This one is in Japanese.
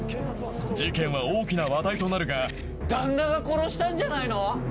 事件は大きな話題となるが旦那が殺したんじゃないの？